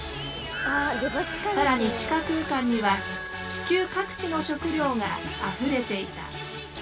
更に地下空間には地球各地の食料があふれていた。